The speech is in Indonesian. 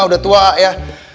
udah tua ya